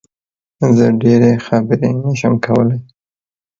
زه ډېری خبرې نه شم کولی